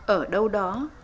ở đâu đó